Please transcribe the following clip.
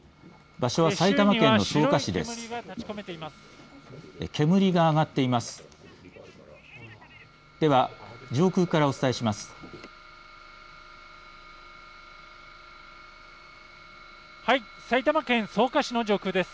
場所は埼玉県の草加市です。